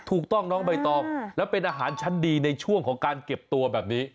ถูกต้องน้องใบตองแล้วเป็นอาหารชั้นดีในช่วงของการเก็บตัวแบบนี้